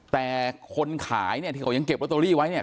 แต่คนขายเนี่ยที่เขายังเก็บลอตเตอรี่ไว้เนี่ย